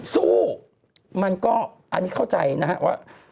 สู้มันก็อันนี้เข้าใจนะฮะว่า